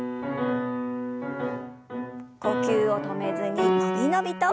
呼吸を止めずに伸び伸びと。